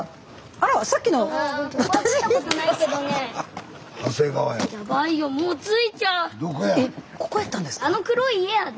あの黒い家やで。